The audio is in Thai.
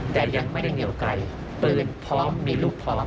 แต่ยังไม่ได้เหนียวไกลปืนพร้อมมีลูกพร้อม